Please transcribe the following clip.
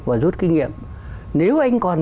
và rút kinh nghiệm nếu anh còn